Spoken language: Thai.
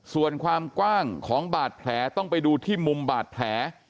ส่วนความกว้างของบาดแผลต้องไปดูที่มุมบาดแผล